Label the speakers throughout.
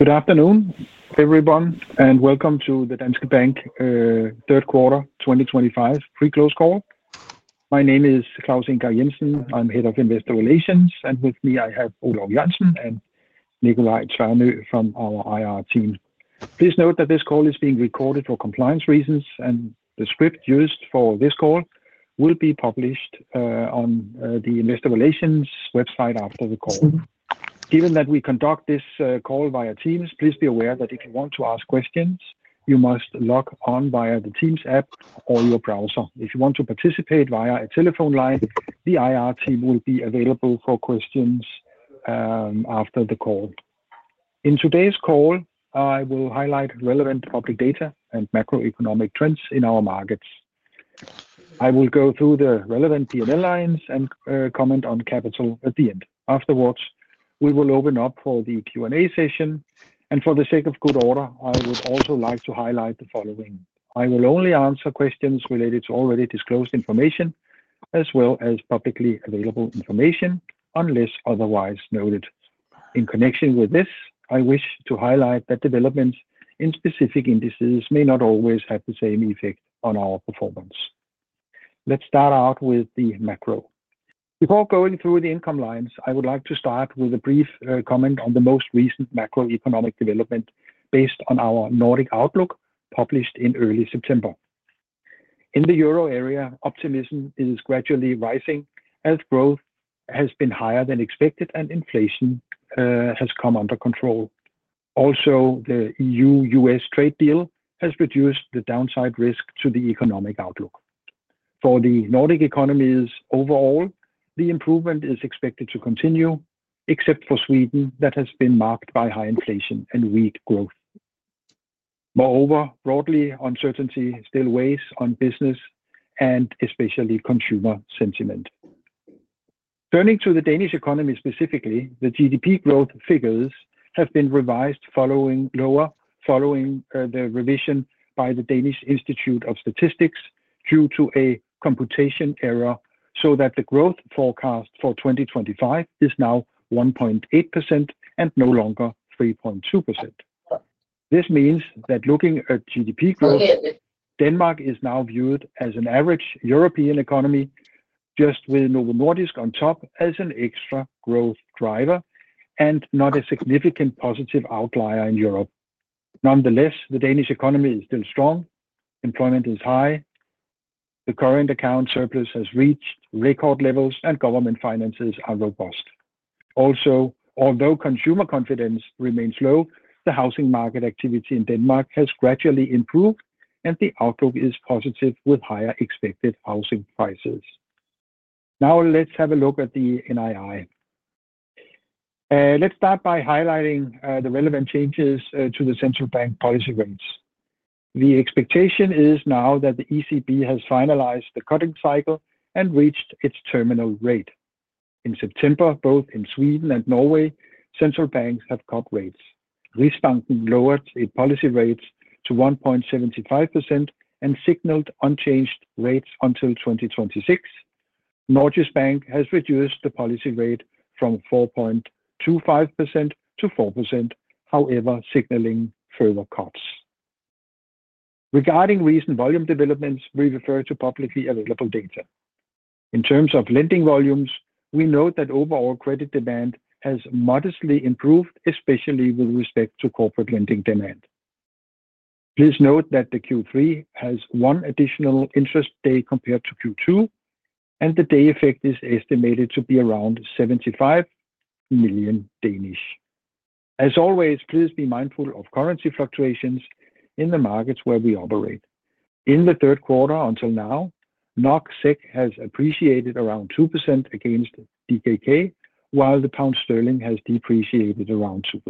Speaker 1: Good afternoon, everyone, and welcome to the Danske Bank Third Quarter 2025 Pre-close Call. My name is Claus Ingar Jensen. I'm Head of Investor Relations, and with me, I have [Ole Larsen] and Nikola Tvernø from our IR team. Please note that this call is being recorded for compliance reasons, and the script used for this call will be published on the investor relations website after the call. Given that we conduct this call via Teams, please be aware that if you want to ask questions, you must log on via the Teams app or your browser. If you want to participate via a telephone line, the IR team will be available for questions after the call. In today's call, I will highlight relevant public data and macroeconomic trends in our markets. I will go through the relevant P&L lines and comment on capital at the end. Afterwards, we will open up for the Q&A session. For the sake of good order, I would also like to highlight the following: I will only answer questions related to already disclosed information as well as publicly available information, unless otherwise noted. In connection with this, I wish to highlight that developments in specific indices may not always have the same effect on our performance. Let's start out with the macro. Before going through the income lines, I would like to start with a brief comment on the most recent macroeconomic development based on our Nordic outlook published in early September. In the euro area, optimism is gradually rising. Health growth has been higher than expected, and inflation has come under control. Also, the EU-US trade deal has reduced the downside risk to the economic outlook. For the Nordic economies overall, the improvement is expected to continue, except for Sweden that has been marked by high inflation and weak growth. Moreover, broadly, uncertainty still weighs on business and especially consumer sentiment. Turning to the Danish economy specifically, the GDP growth figures have been revised following the revision by the Danish Institute of Statistics due to a computation error so that the growth forecast for 2025 is now 1.8% and no longer 3.2%. This means that looking at GDP growth, Denmark is now viewed as an average European economy, just with Novo Nordisk on top as an extra growth driver and not a significant positive outlier in Europe. Nonetheless, the Danish economy is still strong. Employment is high. The current account surplus has reached record levels, and government finances are robust. Also, although consumer confidence remains low, the housing market activity in Denmark has gradually improved, and the outlook is positive with higher expected housing prices. Now let's have a look at the NII. Let's start by highlighting the relevant changes to the central bank policy rates. The expectation is now that the ECB has finalized the cutting cycle and reached its terminal rate. In September, both in Sweden and Norway, central banks have cut rates. Riksbanken lowered policy rates to 1.75% and signaled unchanged rates until 2026. Norges Bank has reduced the policy rate from 4.25% to 4%, however, signaling further cuts. Regarding recent volume developments, we refer to publicly available data. In terms of lending volumes, we note that overall credit demand has modestly improved, especially with respect to corporate lending demand. Please note that the Q3 has one additional interest day compared to Q2, and the day effect is estimated to be around 75 million. As always, please be mindful of currency fluctuations in the markets where we operate. In the third quarter until now, NOK and SEK have appreciated around 2% against DKK, while the pound sterling has depreciated around 2%.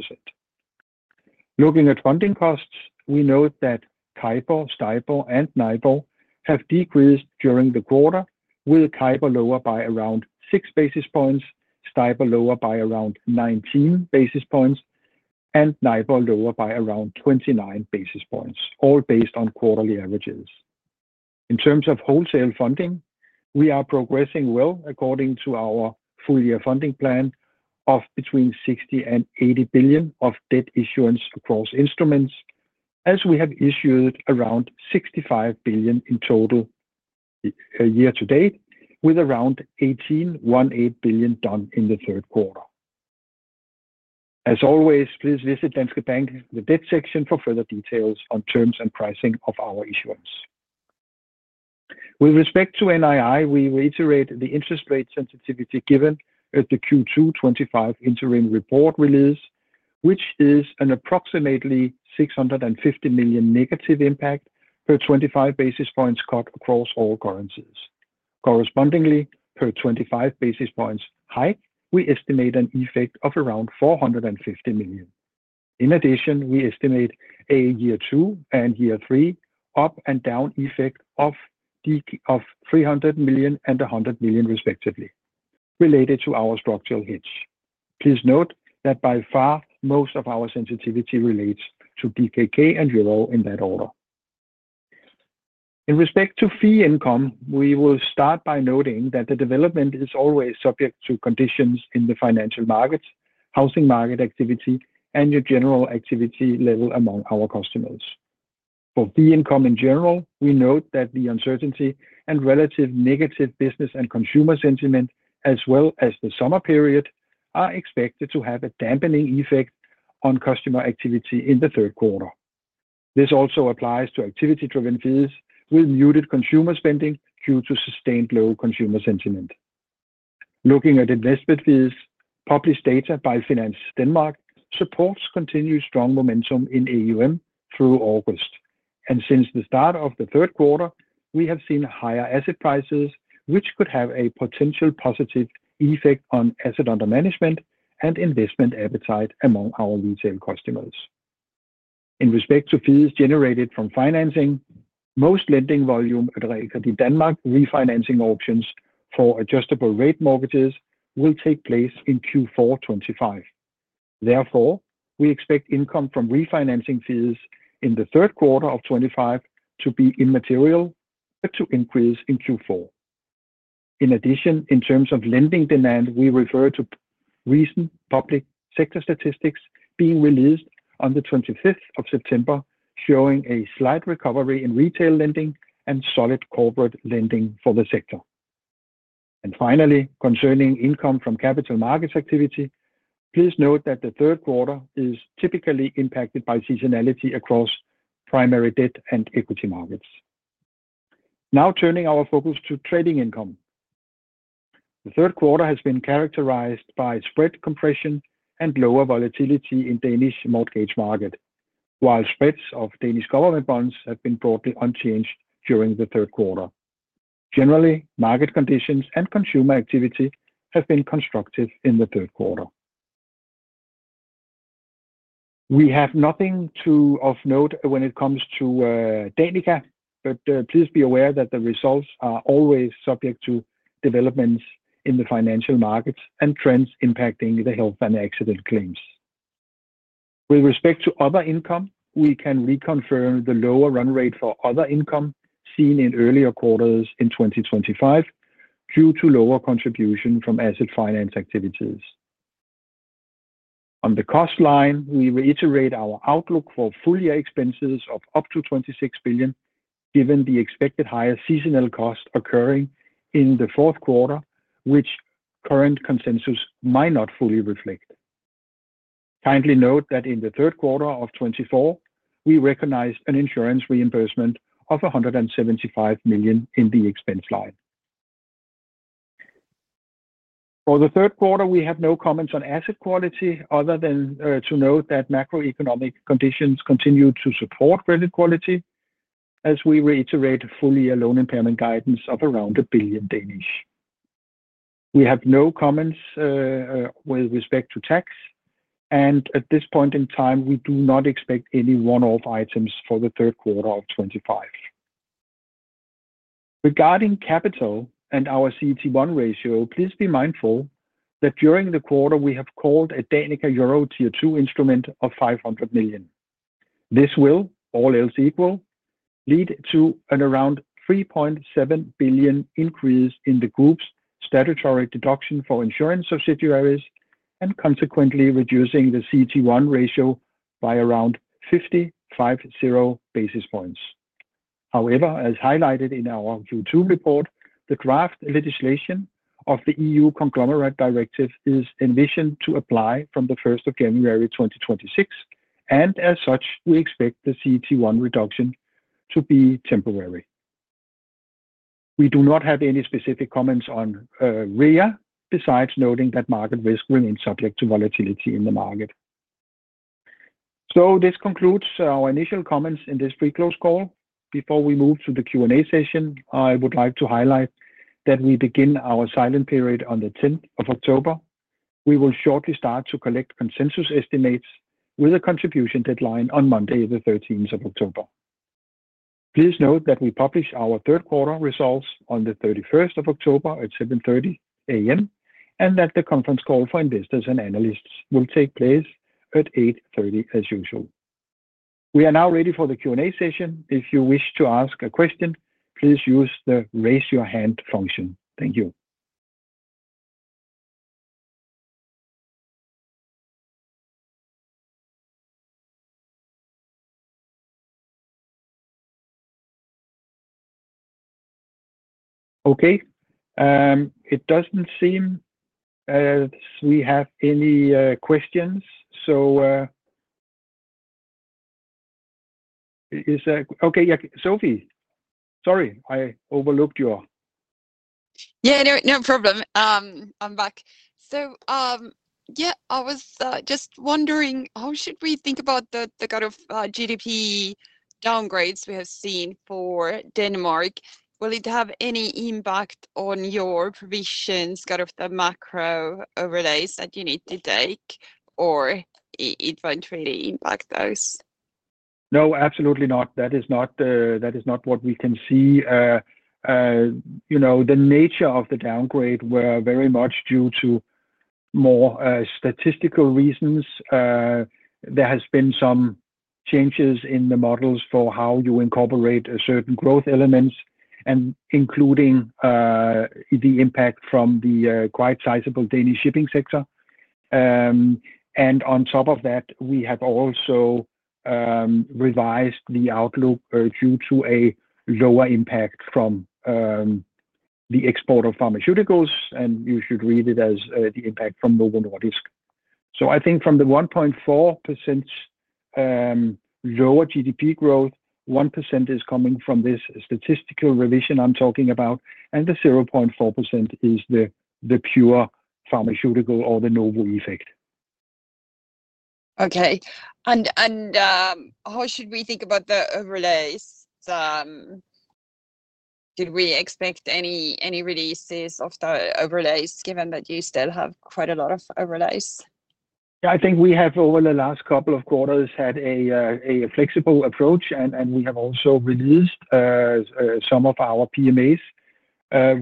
Speaker 1: Looking at funding costs, we note that CIBOR, STIBOR, and NIBOR have decreased during the quarter, with CIBOR lower by around 6 basis points, STIBOR lower by around 19 basis points, and NIBOR lower by around 29 basis points, all based on quarterly averages. In terms of wholesale funding, we are progressing well according to our full-year funding plan of between 60 billion and 80 billion of debt issuance across instruments, as we have issued around 65 billion in total year to date, with around 18.18 billion done in the third quarter. As always, please visit Danske Bank, the debt section, for further details on terms and pricing of our issuance. With respect to NII, we reiterate the interest rate sensitivity given at the Q2 2025 interim report release, which is an approximately 650 million negative impact per 25 basis points cut across all currencies. Correspondingly, per 25 basis points hike, we estimate an effect of around 450 million. In addition, we estimate a year two and year three up and down effect of 300 million and 100 million, respectively, related to our structural hits. Please note that by far, most of our sensitivity relates to DKK and euro in that order. In respect to fee income, we will start by noting that the development is always subject to conditions in the financial markets, housing market activity, and your general activity level among our customers. For fee income in general, we note that the uncertainty and relative negative business and consumer sentiment, as well as the summer period, are expected to have a dampening effect on customer activity in the third quarter. This also applies to activity-driven fees with muted consumer spending due to sustained low consumer sentiment. Looking at investment fees, published data by Finance Denmark supports continued strong momentum in AUM through August. Since the start of the third quarter, we have seen higher asset prices, which could have a potential positive effect on asset under management and investment appetite among our retail customers. In respect to fees generated from financing, most lending volume at RealKredit Denmark refinancing options for adjustable rate mortgages will take place in Q4 2025. Therefore, we expect income from refinancing fees in the third quarter of 2025 to be immaterial but to increase in Q4. In addition, in terms of lending demand, we refer to recent public sector statistics being released on the 25th of September, showing a slight recovery in retail lending and solid corporate lending for the sector. Finally, concerning income from capital market activity, please note that the third quarter is typically impacted by seasonality across primary debt and equity markets. Now turning our focus to trading income. The third quarter has been characterized by spread compression and lower volatility in the Danish mortgage market, while spreads of Danish government bonds have been broadly unchanged during the third quarter. Generally, market conditions and consumer activity have been constructive in the third quarter. We have nothing to note when it comes to Danica, but please be aware that the results are always subject to developments in the financial markets and trends impacting the health and accident claims. With respect to other income, we can reconfirm the lower run rate for other income seen in earlier quarters in 2025 due to lower contribution from asset finance activities. On the cost line, we reiterate our outlook for full-year expenses of up to 26 billion, given the expected higher seasonal cost occurring in the fourth quarter, which current consensus might not fully reflect. Kindly note that in the third quarter of 2024, we recognize an insurance reimbursement of 175 million in the expense line. For the third quarter, we have no comments on asset quality other than to note that macroeconomic conditions continue to support credit quality as we reiterate full-year loan impairment guidance of around 1 billion. We have no comments with respect to tax, and at this point in time, we do not expect any one-off items for the third quarter of 2025. Regarding capital and our CET1 ratio, please be mindful that during the quarter, we have called a Danica Euro Tier 2 instrument of 500 million. This will, all else equal, lead to an around 3.7 billion increase in the group's statutory deduction for insurance subsidiaries and consequently reducing the CET1 ratio by around 50.50 basis points. However, as highlighted in our Q2 report, the draft legislation of the EU conglomerate directive is envisioned to apply from the 1st of January 2026, and as such, we expect the CET1 reduction to be temporary. We do not have any specific comments on REA besides noting that market risk remains subject to volatility in the market. This concludes our initial comments in this pre-close call. Before we move to the Q&A session, I would like to highlight that we begin our silent period on the 10th of October. We will shortly start to collect consensus estimates with a contribution deadline on Monday, the 13th of October. Please note that we publish our third quarter results on the 31st of October at 7:30 A.M. and that the conference call for investors and analysts will take place at 8:30 A.M. as usual. We are now ready for the Q&A session. If you wish to ask a question, please use the raise your hand function. Thank you. Okay. It doesn't seem as we have any questions. Is that okay? Yeah, Sofie. Sorry, I overlooked your. No problem. I'm back. I was just wondering, how should we think about the kind of GDP downgrades we have seen for Denmark? Will it have any impact on your provisions, the macro overlays that you need to take, or it won't really impact those? No, absolutely not. That is not what we can see. The nature of the downgrade was very much due to more statistical reasons. There have been some changes in the models for how you incorporate certain growth elements, including the impact from the quite sizable Danish shipping sector. On top of that, we have also revised the outlook due to a lower impact from the export of pharmaceuticals, and you should read it as the impact from Novo Nordisk. I think from the 1.4% lower GDP growth, 1% is coming from this statistical revision I'm talking about, and the 0.4% is the pure pharmaceutical or the Novo effect. Okay. How should we think about the overlays? Did we expect any releases of the overlays given that you still have quite a lot of overlays? I think we have over the last couple of quarters had a flexible approach, and we have also released some of our PMAs.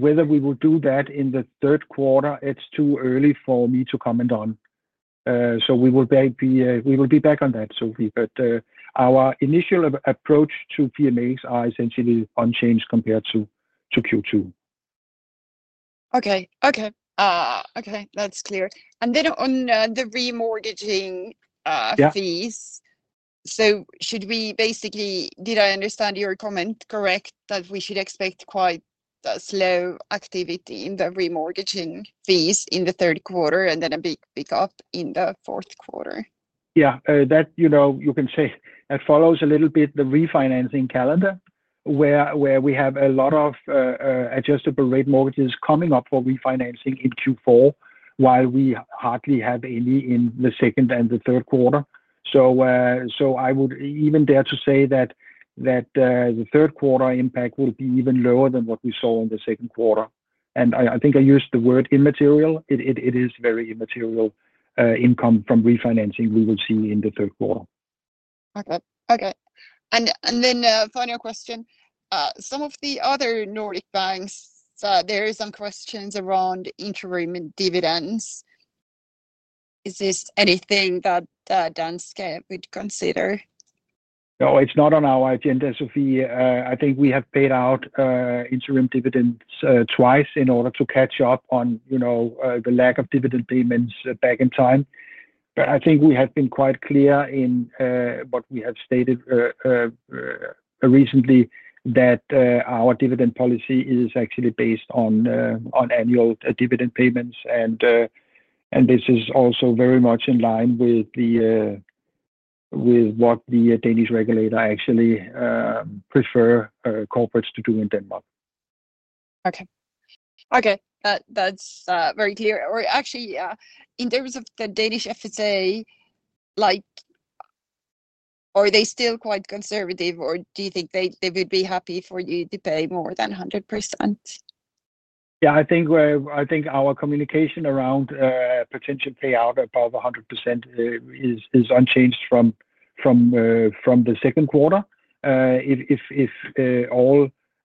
Speaker 1: Whether we will do that in the third quarter, it's too early for me to comment on. We will be back on that, Sofie. Our initial approach to PMAs is essentially unchanged compared to Q2. Okay. That's clear. On the remortgaging fees, should we basically, did I understand your comment correct that we should expect quite a slow activity in the remortgaging fees in the third quarter and then a big pickup in the fourth quarter? Yeah, you can say it follows a little bit the refinancing calendar, where we have a lot of adjustable rate mortgages coming up for refinancing in Q4, while we hardly have any in the second and the third quarter. I would even dare to say that the third quarter impact will be even lower than what we saw in the second quarter. I think I used the word immaterial. It is very immaterial, income from refinancing we will see in the third quarter. Okay. And then, final question. Some of the other Nordic banks, there are some questions around interim dividends. Is this anything that Danske would consider? No, it's not on our agenda, Sofie. I think we have paid out interim dividends twice in order to catch up on, you know, the lack of dividend payments back in time. I think we have been quite clear in what we have stated recently that our dividend policy is actually based on annual dividend payments. This is also very much in line with what the Danish regulator actually prefers corporates to do in Denmark. Okay. That's very clear. In terms of the Danish FSA, are they still quite conservative, or do you think they would be happy for you to pay more than 100%? I think our communication around potential payout above 100% is unchanged from the second quarter.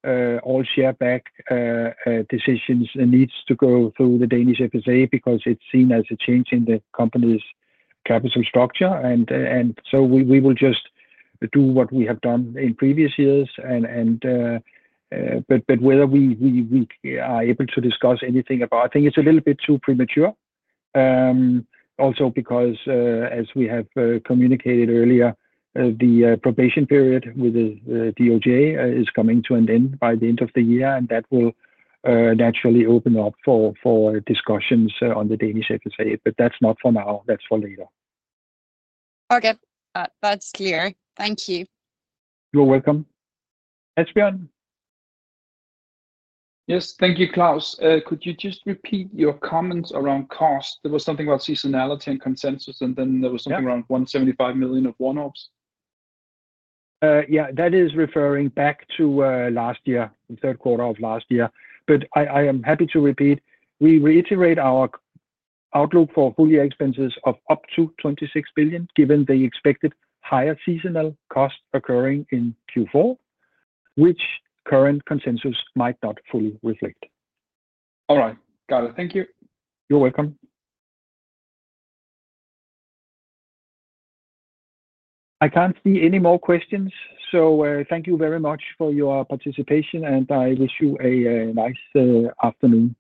Speaker 1: All share buyback decisions need to go through the Danish FSA because it's seen as a change in the company's capital structure. We will just do what we have done in previous years, but whether we are able to discuss anything about it, I think it's a little bit too premature, also because, as we have communicated earlier, the probation period with the DOJ is coming to an end by the end of the year, and that will naturally open up for discussions on the Danish FSA. That's not for now, that's for later. Okay, that's clear. Thank you. You're welcome, Espian. Yes. Thank you, Claus. Could you just repeat your comments around cost? There was something about seasonality and consensus, and then there was something around 175 million of one-offs. Yeah, that is referring back to last year, the third quarter of last year. I am happy to repeat. We reiterate our outlook for full-year expenses of up to 26 billion, given the expected higher seasonal cost occurring in Q4, which current consensus might not fully reflect. All right. Got it. Thank you. You're welcome. I can't see any more questions. Thank you very much for your participation, and I wish you a nice afternoon.